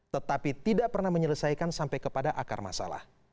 tetapi tidak pernah menyelesaikan sampai kepada akar masalah